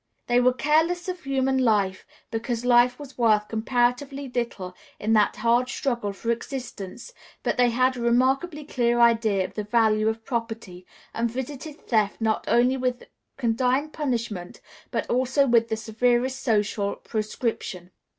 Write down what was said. They were careless of human life because life was worth comparatively little in that hard struggle for existence; but they had a remarkably clear idea of the value of property, and visited theft not only with condign punishment, but also with the severest social proscription.